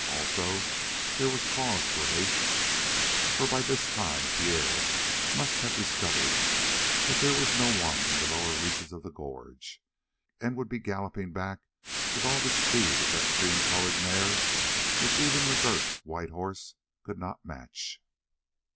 Also, there was cause for haste, for by this time Pierre must have discovered that there was no one in the lower reaches of the gorge and would be galloping back with all the speed of the cream colored mare which even McGurk's white horse could not match.